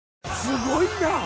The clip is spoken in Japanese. すごいな。